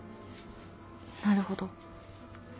なるほど。